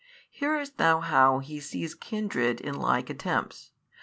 Hearest thou how He sees kindred in like attempts?